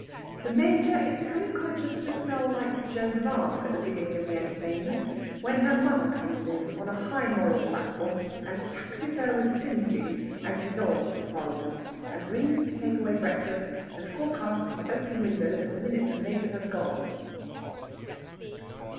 The Major is becoming conscious of a smell like Joan of Arc at the beginning of the entertainment, when her mother comes in on a high moral platform, and taxes her with singeing, and dissolves the parliament, and rings to take away breakfast, and forecasts an open window the minute the Major has gone.